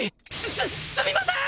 すすみません！